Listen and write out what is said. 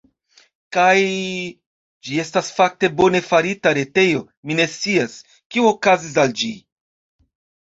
Kaj... ĝi estas fakte bone farita retejo, mi ne scias, kio okazis al ĝi.